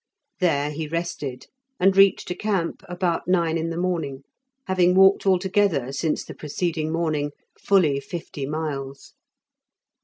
There he rested, and reached a camp about nine in the morning, having walked altogether since the preceding morning fully fifty miles.